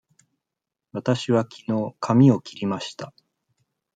わたしはきのう髪を切りました。